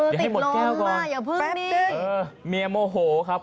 อย่าให้หมดแก้วก่อนแล้วเมียโมโหครับ